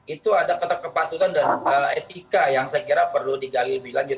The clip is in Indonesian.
itu ada kepatutan dan etika yang saya kira perlu digali lebih lanjut